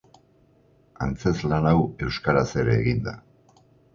Antzezlan hau euskaraz ere egin da.